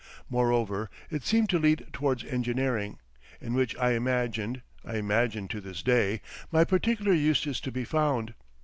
Moreover it seemed to lead towards engineering, in which I imagined—I imagine to this day—my particular use is to be found.